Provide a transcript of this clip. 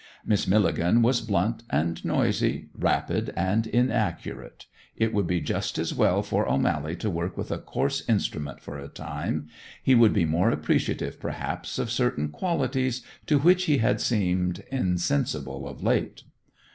Miss Milligan was blunt and noisy, rapid and inaccurate. It would be just as well for O'Mally to work with a coarse instrument for a time; he would be more appreciative, perhaps, of certain qualities to which he had seemed insensible of late.